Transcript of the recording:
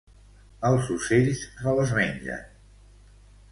Els ocells se les mengen.